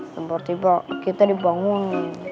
tiba tiba kita dibangun